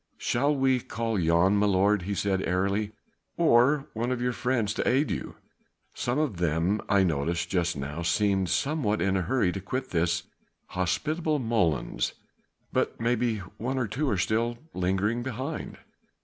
"Shall we call Jan, my lord," he said airily, "or one of your friends to aid you? Some of them I noticed just now seemed somewhat in a hurry to quit this hospitable molens, but mayhap one or two are still lingering behind."